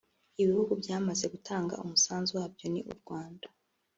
Ibihugu byamaze gutanga umusanzu wabyo ni Rwanda